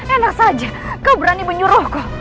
enak saja kau berani menyuruhku